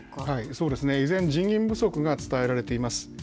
そうですね、依然、人員不足が伝えられています。